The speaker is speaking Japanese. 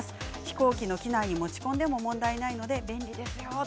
飛行機の機内に持ち込んでも問題ないので便利ですよ。